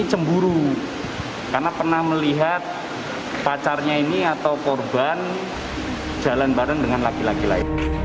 kepada pembunuhan perempuan tersangka dan perempuan berumur lima belas tahun